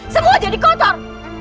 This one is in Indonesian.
semua jadi kotor